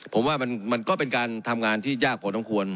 ผมว่ามันก็เป็นการทำงานที่ยากพอสมควร